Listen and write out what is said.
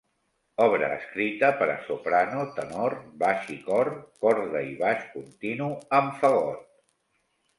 Obra escrita per a soprano, tenor, baix i cor; corda i baix continu amb fagot.